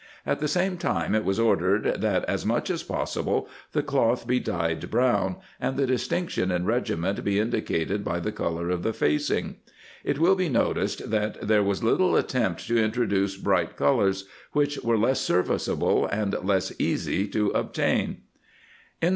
At the same time it was ordered that as much as possible the cloth be dyed brown, and the distinction in regiment be indicated by the color of the facing.* It will be noticed that there was little attempt to introduce bright col ors, which were less serviceable and less easy to obtain. 'American Archives IV., vol.